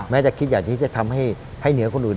แม้แต่คิดอยากจะทำให้เหนือคนอื่น